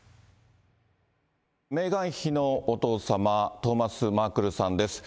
メーガン妃のお父様、トーマス・マークルさんです。